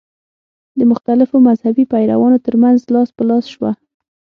د مختلفو مذهبي پیروانو تر منځ لاس په لاس شوه.